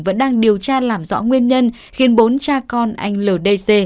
vẫn đang điều tra làm rõ nguyên nhân khiến bốn cha con anh l d c